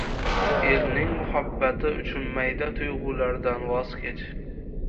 Elning muhabbati uchun mayda tuyg‘ulardan voz kech.